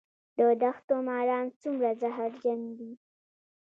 د دښتو ماران څومره زهرجن دي؟